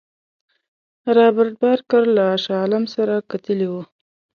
رابرټ بارکر له شاه عالم سره کتلي وه.